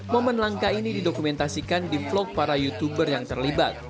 momen langka ini didokumentasikan di vlog para youtuber yang terlibat